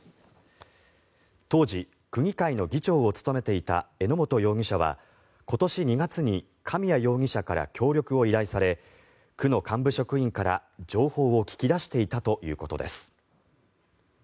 当時、区議会の議長を務めていた榎本容疑者は今年２月に神谷容疑者から協力を依頼され区の幹部職員から、情報を聞き出していたということです。